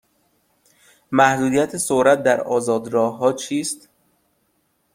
محدودیت سرعت در آزاد راه ها چیست؟